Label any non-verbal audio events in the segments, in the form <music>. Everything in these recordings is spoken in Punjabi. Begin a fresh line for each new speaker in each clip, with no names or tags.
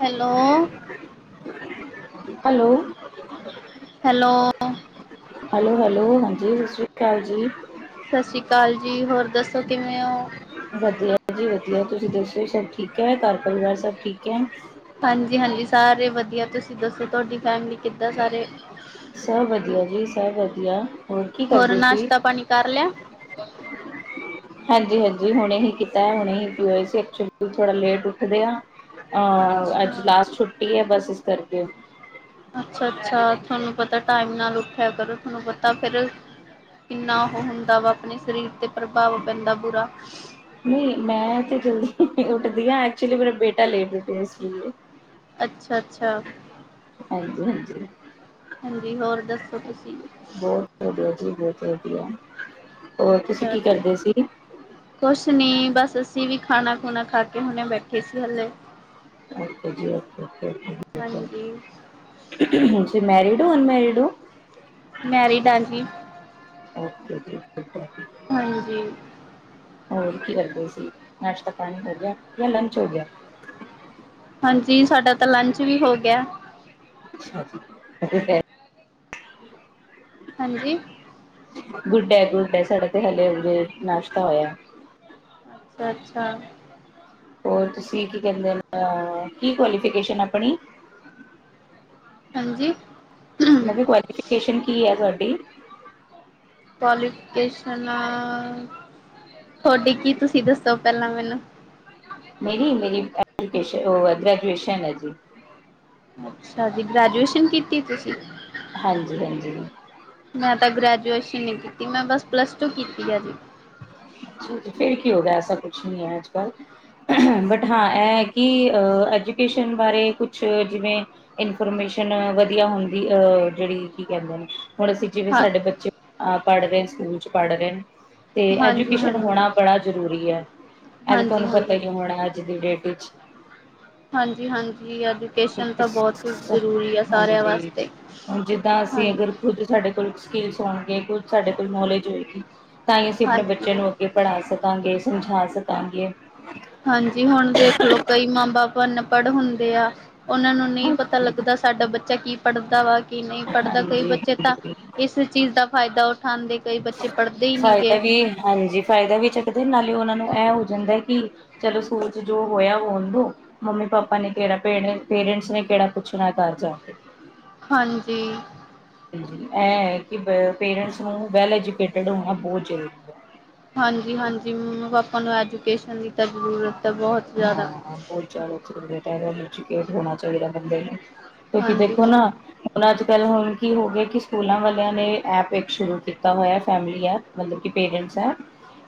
ਹੈਲੋ।
ਹੈਲੋ।
ਹੈਲੋ।
ਹੈਲੋ-ਹੈਲੋ ਹਾਂਜੀ ਸਤਿ ਸ਼੍ਰੀ ਕਾਲ ਜੀ।
ਸਤਿ ਸ਼੍ਰੀ ਕਾਲ ਜੀ ਹੋਰ ਦੱਸੋ ਕਿਵੇਂ ਓ?
ਵਧੀਆ ਜੀ ਵਧੀਆ। ਤੁਸੀ ਦੱਸੋ ਸਭ ਠੀਕ ਐ ਘਰ ਪਰਿਵਾਰ ਸਭ ਠੀਕ ਐ।
ਹਾਂਜੀ-ਹਾਂਜੀ ਸਾਰੇ ਵਧੀਆ ਤੁਸੀ ਦੱਸੋ ਤੁਆਡੀ ਫੈਮਲੀ ਕਿੱਦਾਂ ਸਾਰੇ?
ਸਭ ਵਧੀਆ ਜੀ ਸਭ ਵਧੀਆ। ਕੀ
ਹੋਰ
ਕਰਦੇ ਸੀ
ਨਾਸ਼ਤਾ ਪਾਣੀ ਕਰ ਲਿਆ।
ਹਾਂਜੀ-ਹਾਂਜੀ ਹੁਣੇ ਹੀ ਕੀਤਾ ਏ, ਹੁਣੇ ਹੀ ਪ ਹੋਏ ਸੀ ਐਕਚੁਲੀ ਥੋੜਾ ਲੇਟ ਉੱਠਦੇ ਆ ਅਹ ਅੱਜ
ਅੱਛਾ
ਲਾਸਟ ਛੁੱਟੀ ਐ ਬਸ ਇਸ ਕਰਕੇ
ਅੱਛਾ-ਅੱਛਾ ਤੁਹਾਨੂੰ ਪਤਾ ਟਾਈਮ ਨਾਲ ਉੱਠਿਆ ਕਰੋ। ਤਾਹਨੂੰ ਪਤਾ ਫਿਰ ਕਿੰਨਾ ਉਹ ਹੁੰਦਾ ਵਾ ਆਪਣੇ ਸਰੀਰ ਤੇ ਪ੍ਰਭਾਵ ਪੈਂਦਾ ਬੁਰਾ
ਨਈ ਮੈਂ ਤੇੇ ਜਲਦੀ ਉੱਠਦੀ ਆ ਐਕਚੁਲੀ ਮੇਰਾ ਬੇਟਾ ਲੈ ਉੱਠਿਆ ਇਸ ਲੀਏ
ਅੱਛਾ-ਅੱਛਾ।
ਹਾਂਜੀ-ਹਾਂਜੀ।
ਹਾਂਜੀ ਹੋਰ ਦੱਸੋ ਤੁਸੀਂ
ਬਹੁਤ ਵਧੀਆ ਜੀ ਬਹੁਤ ਵਧੀਆ, ਹੋਰ ਤੁਸੀਂ
ਅੱਛਾ
ਕੀ
ਜੀ
ਕਰਦੇ ਸੀ।
ਕੁਛ ਨੀ ਬਸ ਅਸੀਂ ਵੀ ਖਾਣਾ- ਖੁਣਾ ਖਾ ਕੇ ਹੁਣੇ ਬੈਠੇ ਸੀ ਹਲੇ
<unintelligible>
ਹਾਂਜੀ
ਤੁਸੀਂ ਮੇਰੀਡ ਓ ਅਨਮੈਰੀਡ ਓ।
ਮੈਰੀਡ ਆ ਜੀ।
ਓਕੇ ਜੀ
ਹਾਂਜੀ।
ਹੋਰ ਕੀ ਕਰਦੇ ਸੀ, ਨਾਸ਼ਤਾ ਪਾਣੀ ਕਰ ਲਿਆ ਜਾਂ ਲੰਚ ਹੋ ਗਿਆ।
ਹਾਂਜੀ ਸਾਡਾ ਤਾਂ ਲੰਚ ਵੀ ਹੋ ਗਿਆ।
<unintelligible>
ਹਾਂਜੀ।
ਗੁੱਡ ਡ ਏ, ਗੁੱਡ ਏ ਸਾਡਾ ਤੇ ਹਲੇ ਹੁਨੇ ਨਾਸ਼ਤਾ ਹੋਇਆ।
ਅੱਛਾ-ਅੱਛਾ।
ਹੋਰ ਤੁਸੀਂ ਕੀ ਕਹਿੰਦੇ ਆ, ਕੀ ਕੁਆਲੀਫਕੇਸ਼ਨ ਆਪਣੀ
ਹਾਂਜੀ।
ਕਵਾਲੀਫਿਕੇਸ਼ਨ ਕੀ ਐ ਤੁਆਡੀ।
ਕੁਆਲੀਫਿਕੇਸ਼ਨ ਅ ਤੁਹਾਡੀ ਕੀ ਤੁਸੀਂ ਦੱਸੋ ਪਹਿਲਾਂ ਮੈਨੂੰ
ਨਹੀ ਮੇਰੀ ਐਜੂਕੇਸ਼, ਉਹ ਗ੍ਰੈਜੂਏਸ਼ਨ ਐ ਜੀ।
ਅੱਛਾ ਜੀ ਗ੍ਰੈਜੂਏਸ਼ਨ ਕੀਤੀ ਤੁਸੀਂ।
ਹਾਂਜੀ-ਹਾਂਜੀ।
ਮੈਂ ਤਾਂ ਗ੍ਰੈਜੂਏਸ਼ਨ ਨੀ ਕੀਤੀ ਮੈਂ ਬਸ ਪਲੱਸ ਟੂ ਕੀਤੀ ਆ ਜੀ।
ਫੇਰ ਕੀ ਹੋਗਿਆ ਐਸਾ ਕੁਛ ਨੀ ਐ ਅੱਜ-ਕੱਲ੍ਹ ਬਟ ਹਾਂ ਇਅ ਐ ਕਿ ਐਜੂਕੇਸ਼ਨ ਬਾਰੇ ਕੁਛ ਜਿਵੇਂ ਇਨਫੋਰਮੇਸ਼ਨ ਵਧੀਆ ਹੁੰਦੀ ਅਹ ਜਿਹੜੀ ਕੀ ਕਹਿੰਦੇ ਨੇ ਹੁਣ ਅਸੀਂ ਜਿਵੇਂ
ਹਾਂ,
ਸਾਡੇ ਬੱਚੇ ਅ ਪੜ੍ਹ ਰਹੇ ਸਕੂਲ ਚ ਪੜ੍ਹ ਰਹੇ ਤੇ ਐਜੂਕੇ ਕੇਸ਼ਨ
ਹਾਂਜੀ-ਹਾਂਜੀ,
ਹੋਣਾ ਬੜਾ ਜਰੂਰੀ ਐ, ਇਹਜ ਤੁਹਾਨੂੰ ਪਤਾ
ਹਾਂਜੀ-ਹਾਂਜੀ।
ਈ ਹੋਣਾ ਅੱਜ ਦੀ ਡੇਟ ਚ -
ਹਾਂਜੀ-ਹਾਂਜੀ ਐਜੂਕੇਸ਼ਨ ਤਾਂ ਬਹੁਤ ਜ਼ਰੂਰੀ ਆ ਸਾਰਿਆਂ
ਹਾਂਜੀ
ਵਾਸਤੇ।
ਹੁਣ ਜਿੱਦਾਂ ਅਸੀਂ
ਹਾਂਜੀ,
ਅਗਰ ਕੁੱਝ ਸਾਡੇ ਕੋਲ ਸਕਿੱਲਸ ਹੋਣਗੇ, ਕੁੱਝ ਸਾਡੇ ਕੋਲ ਨੋਲੇਜ ਹੋਏਗੀ, ਤਾਂ ਹੀ ਅਸੀਂ ਆਪਣੇ ਬੱਚੇ
ਹਾਂਜੀ।
ਨੂੰ ਅੱਗੇ ਪੜ੍ਹਾ ਸਕਾਂਗੇ, ਸਮਝਾ ਸਕਾਂਗੇ।
ਹਾਂਜੀ ਹੁਣ ਦੇਖਲੋ ਕਈ ਮਾਂ- ਬਾਪ ਅਨਪੜ੍ਹ ਹੁੰਦੇ ਆ। ਉਹਨਾਂ ਨੂੰ ਨਈ ਪਤਾ ਲੱਗਦਾ ਸਾਡਾ ਬੱਚਾ ਕੀ ਪੜ੍ਹਦਾ ਵਾ ਕੀ ਨਈ ਪੜ੍ਹਦਾ, ਕਈ
ਹਾਂਜੀ
ਬੱਚੇ ਤਾਂ
ਹਾਂਜੀ
ਇਸ ਚੀਜ਼ ਦਾ ਫਾਇਦਾ ਉਠਾਉਦੇ, ਕਈ ਬੱਚੇ ਪੜ੍ਹਦੇ ਹੀ ਨਹੀਂ
ਫਾਇਦਾ
ਗੇ।
ਵੀ ਹਾਂਜੀ ਫਾਇਦਾ ਵੀ ਚੱਕਦੇ ਨਾਲੇ ਉਹਨਾਂ ਨੂੰ ਇਹ ਹੋ ਜਾਂਦਾ ਕੀ ਚਲੋ ਸਕੂਲ ਚ ਜੋ ਹੋਇਆ ਵ ਹੋਣ ਦੋ ਮੰਮੀ ਪਾਪਾ ਨੇ ਕੇੜਾ ਪੇਰਂਟ ਪੇਰੈਂਟਸ ਨੇ ਕੇੜਾ ਪੁੱਛਣਾ ਤਾ ਆਜਾ
ਹਾਂਜੀ।
ਹਾਂਜੀ, ਐ ਆ ਕੀ ਵ ਪੇਰੈਂਟਸ ਨੂੰ ਵੈੱਲ ਐਜੂਕੇਟਡ ਹੋਣਾ ਬੋਤ ਜ਼ਰੂਰੀ ਐ।
ਹਾਂਜੀ-ਹਾਂਜੀ, ਮੰਮਾ- ਪਾਪਾ ਨੂੰ ਐਜੂਕੇਸ਼ਨ ਦੀ ਤਾਂ ਜ਼ਰੂਰਤ ਆ ਬੋਹਤ ਜ਼ਾਦਾ
ਬੋਤ ਜਾਦਾ ਜਰੂਰਤ ਐ ਐਜੂਕੇਟ ਹੋਣਾ ਚਾਈਦਾ ਬੰਦੇ ਨੂੰ ਕਿਉਂਕਿ
ਹਾਂਜੀ,
ਦੇਖੋ ਨਾ
ਹਾਂਜੀ,
ਹੁਣ ਅੱਜ-ਕੱਲ੍ਹ ਹੁਣ ਕੀ ਹੋ ਗੇਆ, ਕਿ ਸਕੂਲਾਂ ਵਾਲੇਆਂ ਨੇ ਐਪ ਇੱਕ ਸ਼ੁਰੂ ਕੀਤਾ ਹੋਏਆ ਫੈਮਲੀ ਐਪ ਮਤਲਬ ਕਿ ਪੇਰੈਂਟਸ ਐ,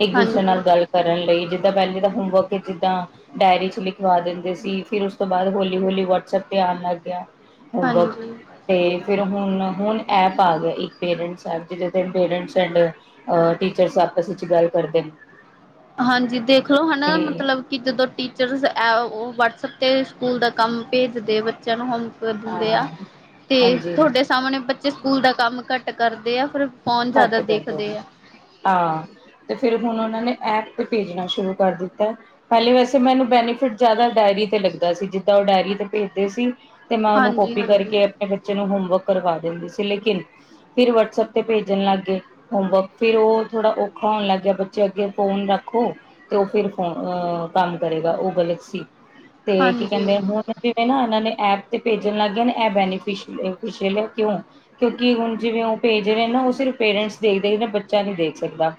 ਇੱਕ ਦੂਸਰੇ
ਹਾਂਜੀ,
ਨਾਲ ਗੱਲ ਕਰਨ ਲਈ ਜਿੱਦਾਂ ਪੇਲੇ ਦਾ ਹੋਮਵਰਕ ਐ ਜਿੱਦਾਂ ਡਾਇਰੀ ਚ ਲਿਖਵਾ ਦਿੰਦੇ ਸੀ ਫਿਰ ਉਸ ਤੋਂ ਬਾਅਦ ਹੌਲੀ-ਹੌਲੀ ਵਟਸਐਪ ਤੇ ਆਣ ਲੱਗ ਗੇਆ। ਹੁਣ ਬਸ
ਹਾਂਜੀ।
ਤੇ ਫਿਰ ਹੁਣ- ਹੁਣ ਐਪ ਆ ਗੇਆ ਇੱਕ ਪੇਰੈਂਟਸ ਐ ਜਿਦੇ ਤੇ ਪੇਰੈਂਟਸ ਐਂਡ- ਅ ਟੀਚਰਸ ਆਪਸ ਵਿੱਚ ਗੱਲ ਕਰਦੇ ਨੇ।
ਹਾਂਜੀ, ਦੇਖਲੋ ਹਨਾ
ਤੇ
ਮਤਲਬ ਕਿ ਜਦੋਂ ਟੀਚਰਸ ਐ ਓ ਵਟਸਐਪ ਤੇ ਸਕੂਲ ਦਾ ਕੰਮ ਭੇਜਦੇ ਬੱਚੇਆਂ ਨੂੰ ਹੁਣ ਦੇ
ਹਾਂ
ਦਿੰਦੇ ਆ, ਤੇ
ਹਾਂਜੀ
ਤੁਹਾਡੇ ਸਾਹਮਣੇ ਬੱਚੇ ਸਕੂਲ ਦਾ ਕੰਮ ਘੱਟ ਕਰਦੇ ਆ ਫਿਰ ਫੋਨ
ਘੱਟ
ਜ਼ਾਦਾ
ਕਰਦੇ ਨੇ
ਦੇਖਦੇ ਆ।
ਹਾਂ, ਤੇ ਫਿਰ ਹੁਣ ਓਨਾਂ ਨੇ ਐਪ ਤੇ ਭੇਜਣਾ ਸ਼ੁਰੂ ਕਰ ਦਿੱਤਾ। ਪੇਲੇ ਵੈਸੇ ਮੈਨੂੰ ਬੈਨੀਫਿਟ ਜ਼ਾਦਾ ਡਾਇਰੀ ਤੇ ਲੱਗਦਾ ਸੀ, ਜਿੱਦਾਂ ਓ ਡਾਇਰੀ ਤੇ ਭੇਜਦੇ ਸੀ। ਤੇ ਮੈਂ ਓਨੂੰ
ਹਾਂਜੀ
ਕੋਪੀ
ਹਾਂਜੀ
ਕਰਕੇ ਆਪਣੇ ਬੱਚੇ ਨੂੰ ਹੋਮਵਰਕ ਕਰਵਾ ਦਿੰਦੀ ਸੀ ਲੇਕਿਨ ਫਿਰ ਵਟਸਐਪ ਤੇ ਭੇਜ ਭੇਜਣ ਲੱਗ ਗਏ, ਹੋਮਵਰਕ ਫਿਰ ਓ ਥੋੜਾ ਔਖਾ ਹੋਣ ਲੱਗ ਗੇਆ, ਬੱਚੇ ਅੱਗੇ ਫੋਨ ਰੱਖੋ ਤੇ ਓ ਫਿਰ ਫੋਨ ਅਹ ਕੰਮ ਕਰੇਗਾ ਓ ਗਲਤ ਸੀ, ਤੇ ਕੀ
ਹਾਂਜੀ
ਕੇਂਦੇ ਹੁਣ ਜਿਵੇਂ ਨਾ ਏਨਾਂ ਨੇ ਐਪ ਤੇ ਭੇਜਣ ਲੱਗ ਗਏ ਨੇ, ਐ ਬੈਨੀਫਿਛਲ ਏ ਫਿਛਲ ਏ ਕਿਉਂ? ਕਿਉਂਕਿ ਹੁਣ ਜਿਵੇਂ ਓ ਭੇਜ ਰਏ ਨਾ ਓ ਸਿਰਫ ਪੇਰੈਂਟਸ ਦੇਖਦੇ ਨੇ, ਬੱਚਾ ਨੀ ਦੇਖ ਸਕਦਾ।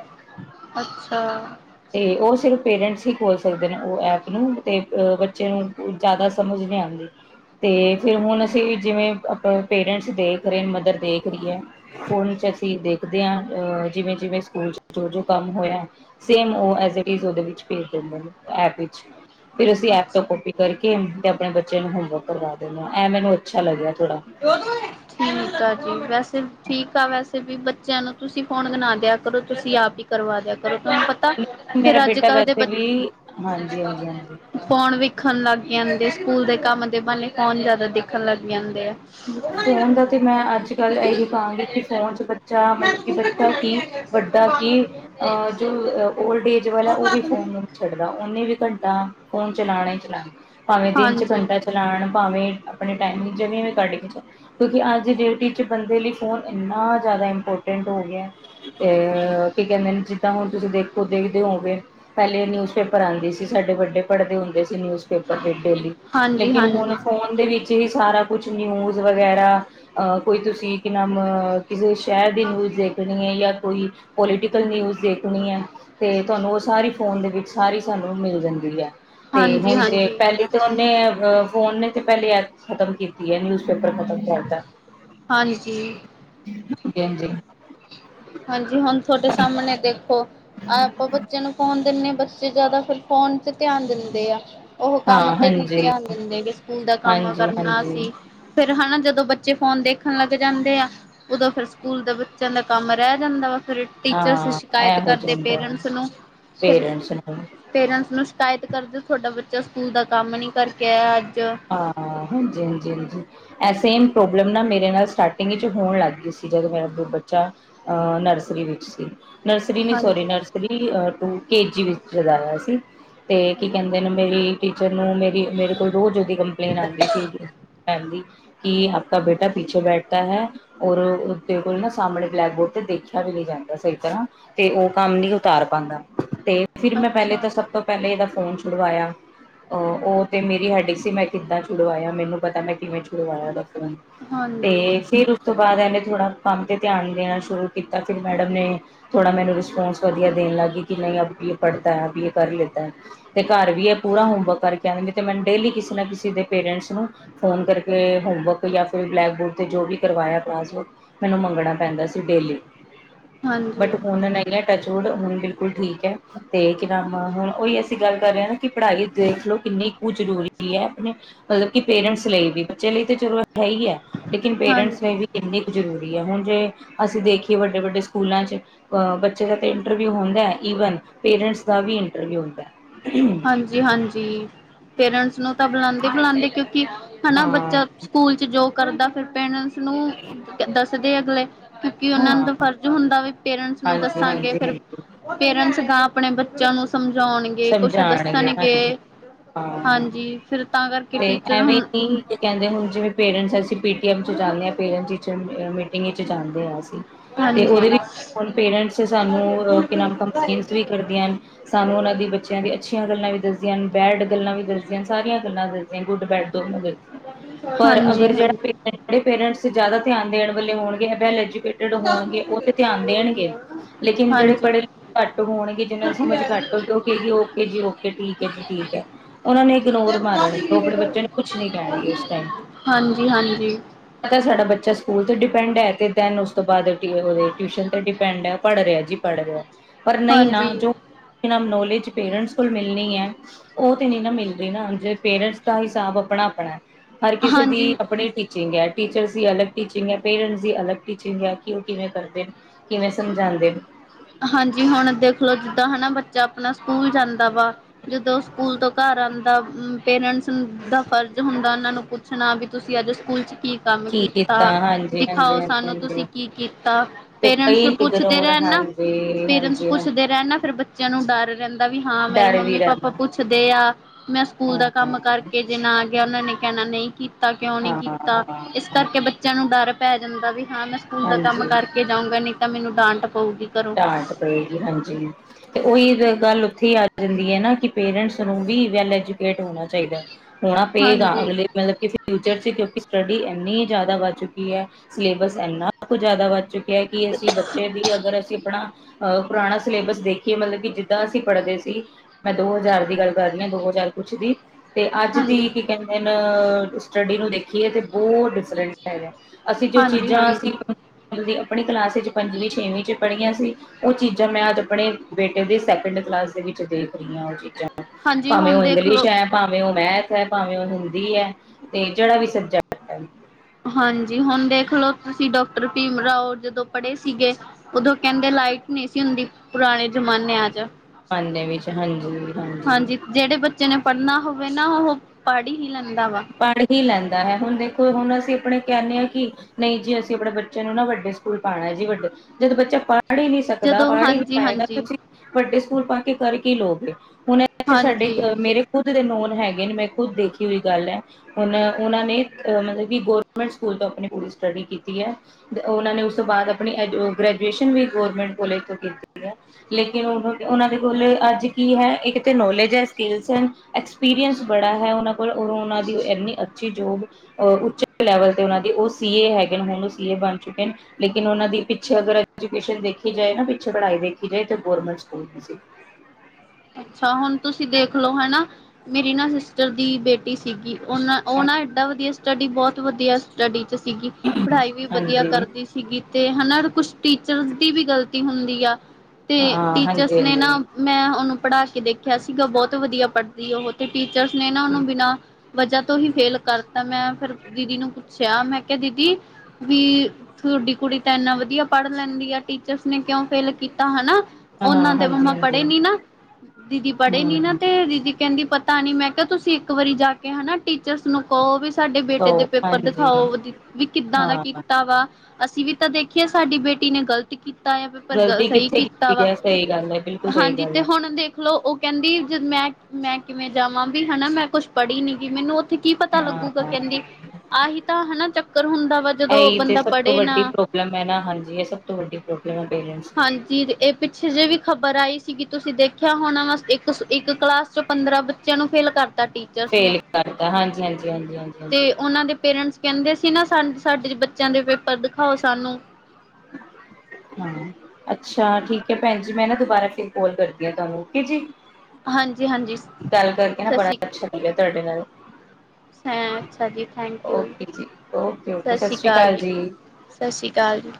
ਅੱਛਾ
ਤੇ ਓ ਸਿਰਫ ਪੇਰੈਂਟਸ ਹੀ ਖੋਲ ਸਕਦੇ ਨੇ ਓ ਐਪ ਨੂੰ ਤੇ ਅ ਬੱਚੇ ਨੂੰ ਜਾਦਾ ਸਮਝ ਨੀ ਆਂਦੀ। ਤੇ ਫਿਰ ਹੁਣ ਅਸੀਂ ਜਿਵੇਂ, ਆਪਾਂ ਪੇਰੈਂਟਸ ਦੇਖ ਰਏ ਮਦਰ ਦੇਖ ਰਈ ਐ ਫੋਨ ਚ ਅਸੀਂ ਦੇਖਦੇ ਆ ਅ ਜਿਵੇਂ-ਜਿਵੇਂ ਸਕੂਲ ਚ ਜੋ-ਜੋ ਕੰਮ ਹੋਏਆ ਸੇਮ ਓ ਐਜਡੀਟ ਓਦੇ ਵਿੱਚ ਭੇਜ ਦਿੰਦੇ ਨੇ ਐਪ ਵਿੱਚ, ਫਿਰ ਅਸੀਂ ਐਪ ਤੋਂ
ਅੱਛਾ
ਕਪੀ ਕਰਕੇ ਤੇ ਆਪਣੇ ਬੱਚੇਆ ਨੂੰ ਹੋਮਵਰਕ ਕਰਵਾ ਦੇਨਾ ਐ ਮੈਨੂੰ ਅੱਛਾ ਲੱਗੇਆ ਥੋੜਾ।
ਠੀਕ ਆ ਜੀ, ਵੈਸੇ ਠੀਕ ਆ ਬਸ। ਤੇ ਵੀ ਬੱਚੇਆਂ ਨੂੰ ਤੁਸੀਂ ਫੋਨ ਨਾ ਦੇਆ ਕਰੋ, ਤੁਸੀਂ ਆਪ ਈ ਕਰਵਾ ਦੇਆ ਕਰੋ ਫੋਨ ਪਤਾ
ਮੇਰਾ
ਫਿਰ ਅੱਜ
ਬੇਟਾ
ਕੱਲ੍ਹ ਦੇ
ਵੈਸੇ
ਬੱਚੇ
ਵੀ, ਹਾਂਜੀ-ਹਾਂਜੀ-ਹਾਂਜੀ।
ਫੋਨ ਵੇਖਣ ਲੱਗ ਜਾਂਦੇ ਆ, ਸਕੂਲ ਦੇ ਕੰਮ ਦੇ ਬਾਨੇ ਫੋਨ ਜ਼ਾਦਾ ਦੇਖਣ ਲੱਗ ਜਾਂਦੇ ਆ।
ਫੋਨ ਦਾ ਤੇ ਮੈਂ ਅੱਜ-ਕੱਲ ਏਹੀ ਕਹਾਂਗੀ, ਕਿ ਫੋਨ ਚ ਬੱਚਾ ਮਤਲਬ ਕਿ ਬੱਚਾ ਕੀ ਵੱਡਾ ਕੀ ਅ ਜੋ ਅ ਓਲਡ ਏਜ ਵਾਲਾ ਓਵੀ ਫੋਨ ਨੀ ਛੱਡਦਾ ਉਨੀ ਵੀ ਘੰਟਾ ਫੋਨ ਚਲਾਣਾ ਈ ਚਲਾਣਾ ਭਾਵੇਂ ਦਿਨ ਚ
ਹਾਂਜੀ,
ਘੰਟਾ ਚਲਾਣ ਭਾਵੇਂ ਆਪਣੇ ਟਾਈਮਿੰਗ ਜਿਵੇਂ ਕੱਢ ਕੇ, ਕਿਉਂਕਿ ਅੱਜ ਦੀ ਡੇਟ ਚ ਬੰਦੇ ਲਈ ਫੋਨ ਏਨਾ ਜ਼ਾਦਾ ਇੰਪੋਰਟੈਂਟ ਹੋ ਗੇਆ ਤੇ ਅ ਕੀ ਕੇਂਦੇ ਨੇ ਜੀ ਤਾਂ ਹੁਣ ਤੁਸੀਂ ਦੇਖੋ ਦੇਖਦੇ ਹੋਓਗੇ, ਪੇਲੇ ਨਿਊਜ਼ ਪੇਪਰ ਆਂਦੀ ਸੀ, ਸਾਡੇ ਵੱਡੇ ਪੜ੍ਹਦੇ ਹੁੰਦੇ ਸੀ ਨਿਊਜ਼ ਪੇਪਰ ਡੇਲੀ,
ਹਾਂਜੀ,
ਲੇਕਿਨ ਹੁਣ
ਹਾਂਜੀ,
ਫੋਨ ਦੇ ਵਿੱਚ ਹੀ ਸਾਰਾ ਕੁਛ ਨਿਊਜ਼ ਵਗੈਰਾ ਅ ਕੋਈ ਤੁਸੀਂ ਕਿਨਾ ਮ ਕਿਸੇ ਸ਼ੈਰ ਦੀ ਨਿਊਜ਼ ਦੇਖਣੀ ਏ ਯਾ ਕੋਈ ਪੋਲੀਟੀਕਲ ਨਿਊਜ਼ ਦੇਖਣੀ ਐ ਤੇ ਤੁਆਨੂੰ ਓ ਸਾਰੀ ਫੋਨ ਦੇ ਵਿੱਚ ਸਾਰੀ ਸਾਨੂੰ ਮਿਲ ਜਾਂਦੀ ਐ। ਤੇ
ਹਾਂਜੀ,
ਹੁਣ ਜੇ
ਹਾਂਜੀ।
ਪੇਲੇ ਤੇ ਐਹਨੇ ਏ ਫੋਨ ਨੇ ਤੇ ਪਹਿਲੇ ਖਤਮ ਕੀਤੀ ਹੈ, ਨਿਊਜ਼ਪੇਪਰ ਖਤਮ ਕਰਦਾ।
ਹਾਂਜੀ।
ਕੇ ਹਾਂਜੀ।
ਹਾਂਜੀ ਹੁਣ ਤੁਹਾਡੇ ਸਾਹਮਣੇ ਦੇਖੋ, ਆਪ ਬੱਚਿਆਂ ਨੂੰ ਫੋਨ ਦਿੰਦੇ ਬੱਚੇ ਜ਼ਿਆਦਾ ਫਿਰ ਫੋਨ ਤੇ ਧਿਆਨ ਦਿੰਦੇ ਆ। ਉਹ ਕੰਮ
ਹਾਂ
ਤੇ ਨੀ
ਹਾਂਜੀ
ਧਿਆਨ ਦਿੰਦੇ ਵੀ ਸਕੂਲ ਦਾ ਕੰਮ
ਹਾਂਜੀ
ਕਰਨਾ
ਹਾਂਜੀ
ਅਸੀ। ਫੇਰ ਹਨਾ ਜਦੋਂ ਬੱਚੇ ਫੋਨ ਦੇਖਣ ਲੱਗ ਜਾਂਦੇ ਆ, ਉਦੋਂ ਫੇਰ ਸਕੂਲ ਦੇ ਬੱਚਿਆਂ ਦਾ ਕੰਮ, ਰਹਿ ਜਾਂਦਾ ਵਾ ਫੇਰ ਟੀਚਰਸ
ਹਾਂ
ਸ਼ਿਕਾਇਤ
ਇਹ ਹੋ
ਕਰਦੇ
ਜਾਂਦਾ
ਪੇਰੈਂਟਸ ਨੂੰ, ਫੇਰ
ਪੇਰੈਂਟਸ ਨੂੰ
ਪੇਰੈਂਟਸ ਨੂੰ ਸ਼ਿਕਾਇਤ ਕਰਦੇ ਤੁਹਾਡਾ ਬੱਚਾ ਸਕੂਲ ਦਾ ਕੰਮ ਨੀ ਕਰਕੇ ਆਇਆ ਅੱਜ।
ਹਾਂ, ਹਾਂਜੀ- ਹਾਂਜੀ, ਹਾਂਜੀ। ਐੇ ਸੇਮ ਪ੍ਰੋਬਲਮ ਨਾ ਮੇਰੇ ਨਾਲ ਸਟਾਰਟਿੰਗ ਵਿੱਚ ਹੋਣ ਲੱਗ ਗਈ ਸੀ ਜਦ ਮੇਰਾ ਬੱਚਾ ਅ ਨਰਸਰੀ ਵਿੱਚ ਸੀ, ਨਰਸਰੀ ਨੀ ਸੋਰੀ
ਹਾਂਜੀ
nursery to K G ਵਿੱਚ ਲਗਇਆ ਸੀ। ਤੇ ਕੀ ਕੇਂਦੇ ਨੇ ਮੇਰੀ ਟੀਚਰ ਨੂੰ ਮੇਰੀ ਮੇਰੇ ਕੋਲ ਰੋਜ਼ ਉਹਦੀ ਕੰਪਲੇਨ ਆਂਦੀ ਸੀ, ਕਹਿਣਦੀ ਕਿ ਆਪਕਾ ਬੇਟਾ ਪਿੱਛੇ ਬੈਠਤਾ ਹੈ। ਔਰ ਉਦੇ ਕੋਲ ਨਾ ਸਾਹਮਣੇ ਬਲੈਕ ਬੋਰਡ ਤੇ ਦੇਖਿਆ ਵੀ ਨਈ ਜਾਂਦਾ ਸਹੀ ਤਰਾਂ। ਤੇ ਉਹ ਕੰਮ ਨਈ ਉਤਾਰ ਪਾਂਦਾ, ਤੇ ਫਿਰ ਮੈਂ ਪਹਿਲੇ
ਅੱਛਾ
ਤਾਂ ਸਭ ਤੋਂ ਪਹਿਲਾਂ ਇਹਦਾ ਫੋਨ ਛੁਡਵਾਇਆ, ਅ ਓ ਤੇ ਮੇਰੀ ਹੈਡੱਏਕ ਸੀ ਮੈਂ ਕਿੱਦਾਂ ਚਛੁਲਵਾਇਆ, ਮੈਨੂੰ ਪਤਾ ਮੈਂ ਕਿਵੇਂ ਚੁਲਵਾਇ ਉਦਾ ਫੋਨ,
ਹਾਂਜੀ
ਤੇ ਫਿਰ- ਉਸ ਤੋਂ ਬਾਅਦ ਏਨੇ ਥੋੜਾ ਕੰਮ ਤੇ ਧਿਆਨ ਦੇਣਾ ਸ਼ੁਰੂ ਕੀਤਾ ਫਿਰ, ਮੈਡਮ ਨੇ ਥੋੜਾ ਮੈਨੂੰ ਰਿਸਪੋਂਸ ਵਧੀਆ ਦੇਣ ਗਈ ਕਿ ਨਈ ਆਜ ਪੜਤਾ ਐ ਵੀ ਏ ਕਰ ਲੇਤਾ ਐ, ਤੇ ਘਰ ਵੀ ਇਹ ਪੂਰਾ ਹੋਮਵਰਕ ਕਰਕੇ ਆਂ ਨਈ ਤੇ ਮੈਨੂੰ ਡੇਲੀ ਕਿਸੇ ਨਾ ਕਿਸੇ ਦੇ ਪੇਰੈਂਟਸ ਨੂੰ, ਫੋਨ ਕਰਕੇ ਹੋਮਵਰਕ ਯਾ ਫੇਰ ਬਲੈਕ ਬੋਰਡ ਤੇ ਜੋ ਵੀ ਕਰਵਾਇਆ ਕਲਾਸਵਰਕ ਮੈਨੂੰ ਮੰਗਣਾ ਪੈਂਦਾ ਸੀ ਡੇਲੀ,
ਹਾਂਜੀ
ਬਟ ਹੁਣ ਨਹੀਂ ਟੱਚਵਡ ਹੁਣ ਬਿਲਕੁਲ ਠੀਕ ਐ, ਤੇ ਕਿ ਨਾਮ ਹੁਣ ਉਹੀ ਅਸੀਂ ਗੱਲ ਕਰ ਰੇ ਆ ਨਾ। ਕਿ ਪੜਾਈ ਦੇਖ ਲੋ ਕਿੰਨੀ ਕੁ ਜ਼ਰੂਰੀ ਐ। ਮਤਲਬ ਕਿ ਪੇਰੈਂਟਸ ਲਈ ਵੀ, ਬੱਚੇ ਲਈ ਤਾਂ ਚਲੋ ਹੈ ਈ ਐ, ਲੇਕਿਨ
ਹਾਂਜੀ
ਪੇਰੈਂਟਸ ਲਈ ਵੀ ਕਿੰਨੀ ਕੁ ਜ਼ਰੂਰੀ ਐ ਹੁਣ ਜੇ, ਅਸੀਂ ਦੇਖੀਏ ਵੱਡੇ-ਵੱਡੇ ਸਕੂਲਾਂ ਚ ਅ ਬੱਚੇ ਦਾ ਤੇ ਇੰਟਰਵਿਊ ਹੁੰਦਾ ਐ, ਈਵਨ ਪੇਰੈਂਟਸ ਦਾ ਵੀ ਇੰਟਰਵਿਊ ਹੁੰਦਾ ਐ।
ਹਾਂਜੀ-ਹਾਂਜੀ, ਪੇਰੈਂਟਸ ਨੂੰ ਤਾਂ ਬੁਲਾਂਦੇ-ਬੁਲਾਂਦੇ ਕਿਉਂਕਿ ਹਨਾ
ਹਾਂ
ਬੱਚਾ, ਸਕੂਲ ਚ ਜੋ ਕਰਦਾ ਫੇਰ ਪੇਰੈਂਟਸ ਨੂੰ ਦੱਸਦੇ ਅਗਲੇ। ਕਿਉਂਕਿ ਉਹਨਾਂ ਨੂੰ
ਹਾਂ
ਤਾਂ ਫਰਜ਼ ਹੁੰਦਾ ਵੇ ਪੇਰੈਂਟਸ ਨੂੰ
ਹਾਂਜੀ
ਦੱਸਾਂਗੇ
ਹਾਂਜੀ
ਫੇਰ
ਹਾਂਜੀ
ਪੇਰੈਂਟਸ ਦਾ ਆਪਣੇ ਬੱਚਿਆਂ ਨੂੰ ਸਮਝਾਉਣਗੇ। ਕੁਛ
ਜਾਣਗੇ
ਦੱਸਣਗੇ
ਹਾਂਜੀ, ਹਾਂ,
ਹਾਂਜੀ ਫਿਰ ਤਾਂ ਕਰਕੇ
ਤੇ
ਟੀਚਰ
ਐਵੀ
ਹੁਣ
ਕੇਂਦੇ ਹੁਣ ਜਿਵੇਂ ਪੇਰੈਂਟਸ ਅਸੀ ਪੀ-ਟੀ-ਐਮ ਚ ਜਾਂਦੇ ਆ ਪੇਰੈਂਟ ਟੀਰ ਮੀਟਿੰਗ ਵਿੱਚ ਜਾਂਦੇ ਆ ਅਸੀਂ। ਤੇ
ਹਾਂਜੀ-ਹਾਂਜੀ,
ਉਹਦੇ,
ਹਾਂਜੀ-ਹਾਂਜੀ,
ਪੇਰੈਂਟਸ ਸਾਨੂੰ ਕੀ ਨਾਮ ਕੰਪਲੇਂਨਸ ਵੀ ਕਰਦੀਆਂ ਨੇ, ਸਾਨੂੰ ਉਹਨਾਂ ਦੀ ਬੱਚਿਆਂ ਦੀ ਅੱਛੀਆਂ ਗੱਲਾਂ ਵੀ ਦੱਸਦੀਆਂ ਨੇ, ਬੈਡ ਗੱਲਾਂ ਵੀ ਦੱਸਦੀਆਂ, ਸਾਰੀਆਂ ਗੱਲਾਂ ਦੱਸਦੀਆਂ ਗੁਡ-ਬੈਡ ਦੋਨੋ ਦ- ਪਰ
ਹਾਂਜੀ-ਹਾਂਜੀ,
ਅਗਰ ਜਿਹੜਾ, ਪੇਰਟਸ ਜਿਆਦਾ ਧਿਆਨ ਦੇਣ ਵਾਲੇ ਹੋਣਗੇ ਵੈਲ ਐਡਿਊਕੇ - ਟਿਡ ਹੋਣਗੇ ਉਹ ਤੇ ਧਿਆਨ ਦੇਣਗੇ। ਲੇਕਿਨ ਜਿਹੜੇ ਪੜੇ, ਘੱਟ ਹੋਣਗੇ ਜਿਹਨਾਂ ਨੂੰ ਸਮਝ ਘੱਟ ਹੋ ਦੀ ਓਕੇ ਜੀ ਓਕੇ ਠੀਕ ਐ ਜੀ ਠੀਕ ਐ। ਉਹਨਾਂ ਨੇ ਇਗਨੋਰ ਮਾਰਨਗੇ ਉਹ ਆਪਣੇ ਬੱਚਿਆਂ ਨੂੰ ਕੁਛ ਨੀ ਕਹਿਣਗੇ ਉਸ ਟਾਈਮ।
ਹਾਂਜੀ-ਹਾਂਜੀ।
ਪ ਤਾਂ ਸਾਡਾ ਬੱਚਾ ਸਕੂਲ ਤੇ ਡਿਪੈਂਡ ਐ ਤੇ ਧੈਨ ਉਸ ਤੋਂ ਬਾਅਦ ਕਿ ਓਦੇ ਟਿਊਸ਼ਨ ਤੇ ਡਿਪੈਂਡ ਐ। ਪੜ੍ਹ ਰਿਐ ਜੀ, ਪੜ੍ਹ ਰਿਐ, ਪਰ ਨਈ
ਹਾਂਜੀ,
ਨਾ ਜੋ ਇੰਨ੍ਹਾ ਨੂੰ ਨੋਲੇਜ ਪੇਰੈਂਟਸ ਕੋਲ ਮਿਲਨੀ ਐ, ਓਹ 'ਤੇ ਨੀ ਨਾ ਮਿਲਦੇ ਨਾ, ਜੇ ਪੇਰੈਂਟਸ ਦਾ ਹਿਸਾਬ ਅਪਨਾ-ਅਪਨੈ। ਹਰ
ਹਾਂਜੀ,
ਕਿਸੇ ਦੀ
ਹਾਂਜੀ।
ਅਪਨੀ ਟੀ ਚਿੰਗ ਐ, ਟੀਚਰਸ ਦੀ ਅਲੱਗ ਟੀਚਿੰਗ ਐ, ਪੇਰੈਂਟਸ ਦੀ ਅਲੱਗ ਟੀਚਿੰਗ ਐ, ਕਿ ਉਹ ਕਿਵੇਂ ਕਰਦੇ? ਕਿਵੇਂ ਸਮਝਾਂਦੇ?
ਹਾਂਜੀ, ਹੁਨ ਦੇਖ ਲਓ, ਜਿੱਦਾਂ ਹੈ ਨਾ, ਬੱਚਾ ਅਪਨਾ ਸਕੂਲ ਜਾਂਦਾ ਵਾ। ਜਦੋਂ ਸਕੂਲ ਤੋਂ ਘਰ ਆਂਦਾ, ਪੇਰੈਂਟਸ ਦਾ ਫਰਜ਼ ਹੁੰਦਾ ਉਨਾਂ ਨੂੰ ਕੁਛ ਸੁਨਾ ਬਈ, ਤੁਸੀਂ ਅੱਜ ਸਕੂਲ 'ਚ ਕੀ ਕੰਮ ਕੀਤਾ,
ਹਾਂਜੀ ਹਾਂਜੀ
ਦਿਖਾਓ
ਹਾਂਜੀ
ਸਾਨੂੰ
ਹਾਂਜੀ
ਤੁਸੀਂ ਕੀ ਕੀਤਾ?
ਤੇ
ਪੇਰੈਂਟਸ
ਕਈ
ਨੂੰ ਪੁੱਛਦੇ
ਇਗਨੋਰ
ਰੈਨ ਨਾ।
ਹਾਂਜੀ
ਪੇਰੈਂਟਸ
ਹਾਂਜੀ ਹਾਂਜੀ
ਪੁੱਛਦੇ ਰੈਨ ਨਾ, ਫੇਰ ਬੱਚਿਆਂ ਨੂੰ ਡਰ ਰੈਂਦਾ ਵੀ ਹਾਂ, ਮੇਰੇ
ਡਰ ਵੀ
ਮੰਮੀ-ਪਾਪਾ
ਰਹਿੰਦਾ
ਪੁੱਛਦੇ ਆ। ਮੈਂ ਸਕੂਲ ਦਾ
ਹਾਂ
ਕੰਮ ਕਰਕੇ ਜੇ ਨਾ ਗਿਆ, ਉਨਾਂ ਨੇ ਕੈਂਨਾ, ਨਈ ਕੀਤਾ? ਕਿਉਂ ਨੀ
ਹਾਂ
ਕੀਤਾ?
ਹਾਂ
ਇਸ
ਹਾਂ
ਕਰਕੇ ਬੱਚੇ ਬੱਚਿਆਂ ਨੂੰ ਡਰ ਪੈ ਜਾਂਦਾ ਵੀ ਹਾਂ, ਮੈਂ ਸਕੂਲ ਦਾ ਕੰਮ
ਹਾਂਜੀ
ਕਰਕੇ ਜਾਊਂਗਾ, ਨਈ ਤਾਂ ਮੈਨੂੰ ਡਾਂਟ ਪਊਗੀ। ਘਰੋਂ
ਡਾਂਟ ਪਏਗੀ, ਹਾਂਜੀ। 'ਤੇ ਓਈ ਗੱਲ ਉੱਥੇ ਈ ਆ ਜਾਂਦੀ ਏ ਨਾ, ਕਿ ਪੇਰੈਂਟਸ ਨੂੰ ਵੀ ਵੈਲ ਐਜੂਕੇਟ ਹੋਨਾ ਚਾਈਦੈ। ਹੋਣਾ ਪਏਗਾ,
ਹਾਂਜੀ,
ਅਗਲੇ ਮਤਲਬ ਕਿ ਫਿਊਚਰ 'ਚ, ਕਿਉਂਕਿ ਸਟੱਡੀ ਐੰਨੀ ਜਾਦਾ ਵੱਦ ਚੁੱਕੀ ਐ। ਸਿਲੇਬਸ ਐੰਨਾ ਕੁ ਜਾਦਾ ਵੱਧ ਚੁੱਕਿਐ ਕਿ ਅਸੀਂ ਬੱਚੇ ਦੀ, ਅਗਰ ਅਸੀਂ ਅਪਣਾ, ਅਹ ਪੁਰਾਣਾ ਸਿਲੇਬਸ ਦੇਖੀਏ, ਮਤਲਬ ਕਿ ਜਿੱਦਾਂ ਅਸੀਂ ਪੜ੍ਹਦੇ ਸੀ। ਮੈਂ ਦੋ ਹਜ਼ਾਰ ਦੀ ਗੱਲ ਕਰ ਰੀ ਆ ਦੋ ਹਜ਼ਾਰ ਕੁਛ ਦੀ, 'ਤੇ ਅੱਜ ਦੀ
ਹਾਂਜੀ,
ਕੀ ਕੈਂਦੇ? ਏਂਨਾ, ਸਟੱਡੀ ਨੂੰ ਦੇਖੀਏ 'ਤੇ ਬੋਤ ਡਿਫਰੈਂਟ ਹੈਗਾ, ਅਸੀ ਜੋ
ਹਾਂਜੀ,
ਚੀਜ਼ਾਂ ਅਸੀ
ਹਾਂਜੀ।
ਜੇੜੀ ਆਪਨੀ ਕਲਾਸ 'ਚ ਪੰਜਵੀਂ-ਛੇਵੀਂ 'ਚ ਪੜ੍ਹੀਆ ਸੀ, ਉਹ ਚੀਜ਼ਾਂ ਮੈਂ ਅੱਜ ਅਪਨੇ ਬੇਟੇ ਦੇ ਸੈਕਿੰਡ ਕਲਾਸ ਦੇ ਵਿੱਚ ਦੇਖ ਰੀ ਆ, ਉਹ ਚੀਜ਼ਾਂ।
ਹਾਂਜੀ
ਭਾਵੇਂ
ਹੁਣ
ਉਹ
ਦੇਖ
ਇੰਗਲਿਸ਼
ਲੋ
ਐ, ਭਾਵੇਂ ਉਹ ਮੈਥ ਐ, ਭਾਵੇਂ ਉਹ ਹਿੰਦੀ ਐ, ਤੇ ਜੇੜਾ ਵੀ ਸਬਜੈਕਟ ਐ ਹੀ।
ਹਾਂਜੀ, ਹੁਨ ਦੇਖ ਲਓ ਤੁਸੀਂ, ਡਾਕਟਰ ਭੀਮ ਰਾਓ ਜਦੋਂ ਪੜ੍ਹੇ ਸੀਗੇ। ਓਦੋਂ ਕੈਂਦੇ, ਲਾਈਟ ਨਈ ਸੀ ਹੁੰਦੀ ਪੁਰਾਨੇ ਜਮਾਨਿਆ 'ਚ।
ਆਂਦੇ ਵਿੱਚ, ਹਾਂਜੀ-ਹਾਂਜੀ।
ਜੇੜੇ ਬੱਚੇ ਨੇ ਪੜ੍ਹਨਾ ਹੋਵੇ ਨਾ, ਉਹ ਪੜ੍ਹ ਹੀ ਲੈਂਦਾ ਵਾ।
ਪੜ੍ਹ ਹੀ ਲੈਂਦਾ ਹੈ, ਹੁਨ ਦੇਖੋ, ਹੁਨ ਅਸੀਂ ਅਪਨੇ ਕੈਂਨੇ ਆ ਕਿ ਨਈ ਜੀ, ਅਸੀਂ ਅਪਨੇ ਬੱਚੇ ਨੂੰ ਨਾ ਵੱਡੇ ਸਕੂਲ ਪਾਨੈ ਜੀ ਵੱਡੇ, ਜਦ ਬੱਚਾ ਪੜ੍ਹ ਈ ਨੀ ਸਕਦਾ
ਜਦੋਂ
ਪੜ੍ਹ ਈ ਨੀ
ਹਾਂਜੀ,
ਪਾਇਆ,
ਹਾਂਜੀ,
ਕਿਉਂਕਿ ਵੱਡੇ ਸਕੂਲ ਪਾ ਕੇ ਕਰ ਈ ਕੀ ਲੋਗੇ? ਹੁਨ ਐਥੇ ਸਾਡੇ
ਹਾਂਜੀ।
ਅਹ ਮੇਰੇ ਖੁਦ ਦੇ ਲੋਨ ਹੈਗੇ ਨੇ, ਮੈਂ ਖੁਦ ਦੇਖੀ ਹੋਈ। ਗੱਲ ਐ, ਉਨਾ-ਉਨਾਂ ਨੇ, ਉਨਾ ਨੇ ਵੀ ਮਤਲਬ ਕਿ ਗੌਰਮੈਂਟ ਸਕੂਲ ਤੋਂ ਅਪਨੀ ਪੂਰੀ ਸਟੱਡੀ ਕੀਤੀ ਐ। ਉਨਾਂ ਨੇ ਉਸ ਤੋਂ ਬਾਦ ਅਪਨੀ ਗ੍ਰੈਜੂਏਸ਼ਨ ਵੀ ਗੋਰਮੈਂਟ ਕੋਲਜ ਤੋਂ ਕੀਤੀ ਐ। ਲੇਕਿਨ ਉਦੋਂ ਉਨਾ ਦੇ ਕੋਲ ਅੱਜ ਕੀ ਹੈ? ਇਕ ਤੇ ਨੋਲਜ ਐ, ਸਕਿਲਸ ਐ, ਐਜੁ ਪੀਰੀਅੰਸ ਬੜਾ ਹੈ ਉਨਾਂ ਕੋਲ, ਉਨਾਂ ਦੀ ਐੰਨੀ ਅੱਛੀ ਜੋਬ ਔਰ ਉੱਚੇ ਲੈਵਲ 'ਤੇ ਉਨਾਂ ਦੇ, ਉਹ ਸੀ, ਏ, ਹੈਗੇ, ਹੁਨ ਉਹ ਸੀ, ਏ, ਬਨ ਚੁੱਕੇ ਨੇ। ਲੇਕਿਨ ਉਨਾਂ ਦੀ ਪਿੱਛੇ ਅਗਰ ਐਜੁਕੇਸ਼ਨ ਦੇਖੀ ਜਾਏ ਨਾ, ਪਿੱਛੇ ਪੜ੍ਹਾਈ ਵੇਖੀ ਜਾਏ, 'ਤੇ ਗੋਰਮੈਂਟ ਸਕੂਲ ਸੀ।
ਅੱਛਾ, ਹੁਨ ਤੁਸੀਂ ਦੇਖ ਲੋ ਹੈ ਨਾ, ਮੇਰੀ ਨਾ ਸਿਸਟਰ ਦੀ ਬੇਟੀ ਟੀ ਸੀਗੀ, ਉਨਾਂ ਓਹ ਨਾ ਏਡਾ ਵਦੀਆ ਸਟੱਡੀ, ਬੋਤ ਵਦੀਆ ਸਟੱਡੀ 'ਚ ਸੀਗੀ। ਪੜ੍ਹਾਈ ਵੀ ਵਦੀਆ
ਹਾਂਜੀ
ਕਰਦੀ ਸੀ। ਸੀਗੀ 'ਤੇ ਹਨਾ, ਕੁਛ ਟੀਚਰਸ ਦੀ ਵੀ ਗਲਤੀ ਹੁੰਦੀ ਆ 'ਤੇ
ਹਾਂ
ਟੀਚਰਸ
ਹਾਂਜੀ
ਨੇ ਨਾ
ਹਾਂਜੀ
ਮੈਂ ਉਨੂੰ ਪੜ੍ਹਾ ਕੇ ਦੇਖਿਆ ਸੀਗਾ, ਬੋਤ ਵਦੀਆ ਪੜ੍ਹਦੀ ਉਹ, 'ਤੇ ਟੀਚਰਸ ਨੇ ਨਾ, ਉਨੂੰ ਬਿਨਾਂ ਵਜ੍ਹਾ ਤੋਂ ਹੀ ਫੇਲ ਕਰਤਾ ਮੈਂ ਫੇਰ ਦੀਦੀ ਨੂੰ ਪੁੱਛਿਆ ਮੈਂ ਕਿਆ ਦੀਦੀ ਵੀ ਤੁਹਾਡੀ ਕੁੜੀ ਤਾਂ ਇਨਾ ਵਧੀਆ ਪੜ ਲੈਂਦੀ ਆ ਟੀਚਰਸ ਨੇ ਕਿਉਂ ਫੇਲ ਕੀਤਾ ਹਨਾ। ਉਨਾਂ
ਹਾਂ
ਦੇ
ਹਾਂਜੀ
ਮੰਮਾ
ਹਾਂਜੀ
ਪੜ੍ਹੇ ਨੀ ਨਾ। ਦੀਦੀ ਪੜੇ ਨੀ ਨਾ
ਹਮ
ਤੇ ਦੀਦੀ ਕਹਿੰਦੀ ਪਤਾ ਨੀ ਮੈਂ ਕਿਆ ਤੁਸੀਂ ਇੱਕ ਵਾਰੀ ਜਾ ਕੇ ਹਨਾ ਟੀ ਚਰਸ ਨੂੰ ਕਹੋ ਵੀ ਸਾਡੇ ਬੇਟੇ
ਤਾਂ
ਦੇ ਪੇਪਰ
ਹਾਂਜੀ
ਦਿਖਾਓ ਵੀ ਕਿੱਦਾਂ ਦਾ
ਹਾਂ
ਕੀਤਾ ਵਾ। ਅਸੀਂ ਵੀ ਤਾ ਦੇਖੀਏ ਸਾਡੀ ਬੇਟੀ ਨੇ ਗ਼ਲਤ ਕੀਤਾ ਯਾ ਪੇਪਰ ਗ
ਗਲਤੀ
ਸਈ
ਕਿੱਥੇ
ਕੀਤਾ
ਕੀਤੀ
ਵਾ
ਹੈ ਸਹੀ ਗੱਲ ਹੈ ਬਿਲਕੁਲ ਸਹੀ
ਹਾਂਜੀ।
ਗੱਲ
ਤੇ
ਹੈ
ਹੁਣ ਦੇਖਲੋ ਉਹ ਕੇੰਦੀ ਜ ਮੈਂ-ਮੈਂ ਕਿਵੇਂ ਜਾਵਾਂ ਵੀ ਹਨਾ ਮੈਂ ਕੁੱਛ ਪੜੀ ਨੀ ਗੀ ਮੈਨੂੰ ਉੱਥੇ ਕੀ ਪ ਪਤਾ ਲੱਗੂਗਾ
ਹਾਂ
ਕੇਂਦੀ ਆਹੀ ਤਾਂ ਹਨਾ ਚੱਕਰ ਹੁੰਦਾ ਵਾ ਜਦੋਂ
ਇਹੀ ਤੇ
ਬੰਦਾ
ਸਭ ਤੋਂ
ਪੜੇ
ਵੱਡੀ
ਨਾ।
ਪ੍ਰੋਬਲਮ ਹੈ ਨਾ ਹਾਂਜੀ ਇਹ ਸਭ ਤੋਂ ਵੱਡੀ ਪ੍ਰੋਬਲਮ ਹੈ ਪੇਰੈਂਟਸ ਦੀ।
ਹਾਂਜੀ ਏਹ ਪਿੱਛੇ ਜਿ ਵੀ ਖ਼ਬਰ ਆਈ ਸੀਗੀ ਤੁਸੀਂ ਦੇਖਿਆ ਹੋਨਾ ਵਾ ਇੱਕ-ਇੱਕ ਕਲਾਸ ਚ ਪੰਦਰਾਂ ਬੱਚਿਆਂ ਨੂੰ ਫੇਲ ਕਰਤਾ ਟੀ ਚਰਸ ਨੇ
ਫੇਲ ਕਰਤਾ ਹਾਂਜੀ ਹਾਂਜੀ ਹਾਂਜੀ ਹਾਂਜੀ
ਤੇ
ਹਾਂਜੀ
ਓਨਾਂ ਦੇ ਪੇਰੈਂਟਸ ਕੇੰਦੇ ਸੀ ਨਾ ਸਾਨ ਸਾਡੇ ਬੱਚਿਆਂ ਦੇ ਪੇਪਰ ਦਿਖਾਓ ਸਾਨੂੰ।
ਹ ਹਾਂ ਅੱਛਾ ਠੀਕ ਐ ਭੈਣ ਜੀ ਮੈਂ ਨਾ ਦੁਬਾਰਾ ਫਿਰ ਕੋਲ ਕਰਦੀ ਆ ਤੁਹਾਨੂੰ ਓਕੇ ਜੀ।
ਹਾਂਜੀ-ਹਾਂਜੀ।
ਗੱਲ ਕਰਕੇ ਨਾ ਬੜਾ
ਸਤਿ
ਅੱਛਾ ਲੱਗਿਆ ਤੁਹਾਡੇ ਨਾਲ।
ਹੈ ਅੱਛਾ ਜੀ ਥੈਂਕ ਯੂ,
ਓਕੇ ਜੀ ਓਕੇ ਓਕੇ
ਸਸ
ਸਤਿ
ਸ੍ਰੀ
ਸ਼੍ਰੀ
ਕਾਲ
ਅਕਾਲ
ਜੀ। ਸਸ ਸ੍ਰੀ ਕਾਲ ਜੀ।